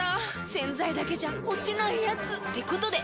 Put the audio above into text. ⁉洗剤だけじゃ落ちないヤツってことで。